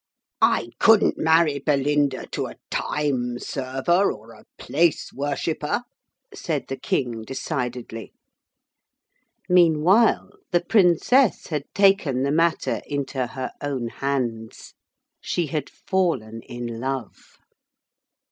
'I couldn't marry Belinda to a time server or a place worshipper,' said the King decidedly. Meanwhile the Princess had taken the matter into her own hands. She had fallen in love.